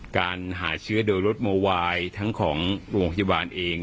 การหาเชื้อโดยรถโมวายทั้งของโรงพยาบาลเอง